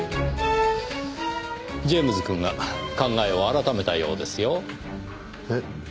ジェームズくんが考えを改めたようですよ。え？